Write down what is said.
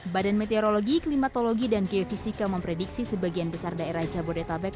badan meteorologi klimatologi dan geofisika memprediksi sebagian besar daerah cabo de tabek